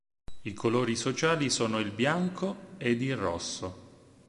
I colori sociali sono il bianco ed il rosso.